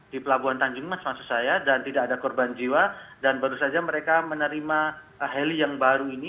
di pelabuhan tanjung mas maksud saya dan tidak ada korban jiwa dan baru saja mereka menerima heli yang baru ini